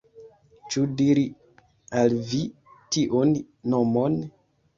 Ĉu diri al vi tiun nomon?